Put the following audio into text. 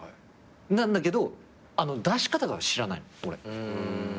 なんだけど出し方が知らないの俺。